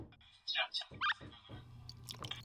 사람들을 뒤에 버려두고 갈 순 없어요!